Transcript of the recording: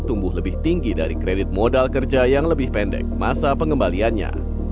tumbuh lebih tinggi dari kredit modal kerja yang lebih pendek masa pengembaliannya